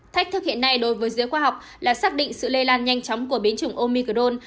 thách thức hiện nay đối với giới khoa học là xác định sự lây lan nhanh chóng của biến chủng omicron